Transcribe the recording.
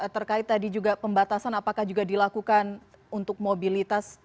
terkait tadi juga pembatasan apakah juga dilakukan untuk mobilitas